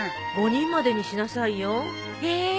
５人までにしなさいよ。え！